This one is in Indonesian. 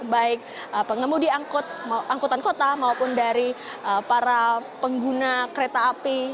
baik pengemudi angkutan kota maupun dari para pengguna kereta api